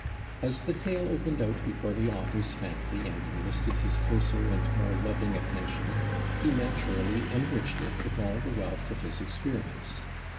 As the tale opened out before the author's fancy and enlisted his closer and more loving attention, he naturally enriched it with all the wealth of his experience.